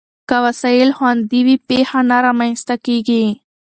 که وسایل خوندي وي، پېښه نه رامنځته کېږي.